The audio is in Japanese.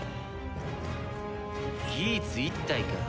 ギーツ１体か。